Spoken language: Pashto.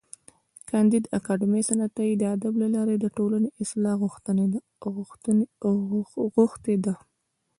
کانديد اکاډميسن عطایي د ادب له لارې د ټولني اصلاح غوښتې ده.